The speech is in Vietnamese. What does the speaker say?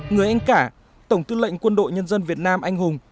người anh cả tổng tư lệnh quân đội nhân dân việt nam anh hùng